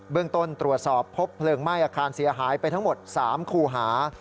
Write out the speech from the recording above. เรื่องต้นตรวจสอบพบเพลิงไหม้อาคารเสียหายไปทั้งหมด๓คู่หา